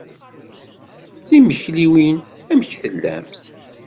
Timekliwin. Amek tellamt?